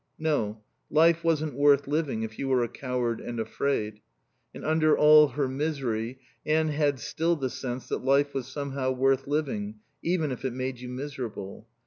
No. Life wasn't worth living if you were a coward and afraid. And under all her misery Anne had still the sense that life was somehow worth living even if it made you miserable.